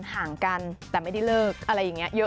ห่างกันแต่ไม่ได้เลิกอะไรอย่างนี้เยอะ